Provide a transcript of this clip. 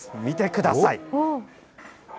見てください。